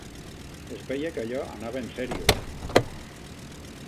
Es veia que allò anava en serio.